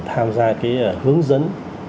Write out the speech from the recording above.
để tự tham gia cái hướng dẫn